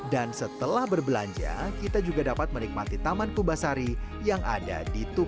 dan setelah berbelanja kita juga dapat membeli barang barang yang berbeda